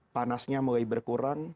panasnya mulai berkurang